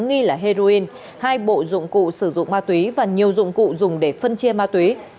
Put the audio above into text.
nghi là heroin hai bộ dụng cụ sử dụng ma túy và nhiều dụng cụ dùng để phân chia ma túy